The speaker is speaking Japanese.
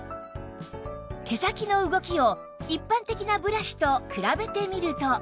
毛先の動きを一般的なブラシと比べてみると